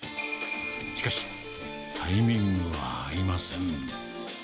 しかし、タイミングが合いません。